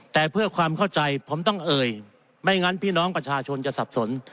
แต่เพื่อความเข้าใจผมต้องเอ่ยไม่งั้นพี่น้องประชาชนจะสับสน